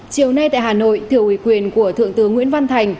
chiều nay tại hà nội thừa ủy quyền của thượng tướng nguyễn văn thành